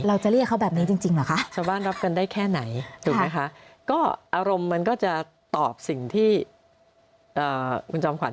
เราจะเรียกเขาแบบนี้จริงเหรอคะ